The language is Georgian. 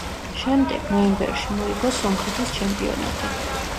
შემდეგ, ნოემბერში, მოიგო სომხეთის ჩემპიონატი.